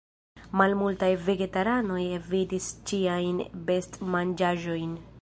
Malmultaj vegetaranoj evitis ĉiajn best-manĝaĵojn.